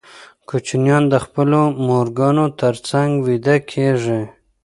کوچنیان د خپلو مورګانو تر څنګ ویده کېږي.